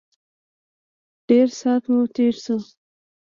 ډېر سات مو تېر شو.